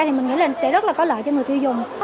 thì mình nghĩ là sẽ rất là có lợi cho người tiêu dùng